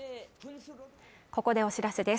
ここでお知らせです